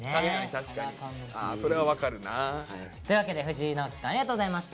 それは分かるな。というわけで藤井直樹くんありがとうございました。